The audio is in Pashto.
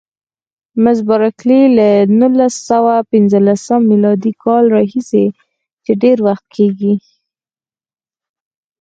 مس بارکلي: له نولس سوه پنځلسم میلادي کال راهیسې چې ډېر وخت کېږي.